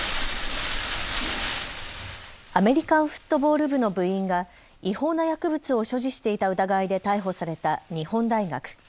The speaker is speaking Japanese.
アメリカンフットボール部の部員が違法な薬物を所持していた疑いで逮捕された日本大学。